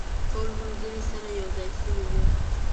ټول ملګري سره یو ځای شوي وو.